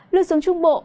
lưu xuống trung bộ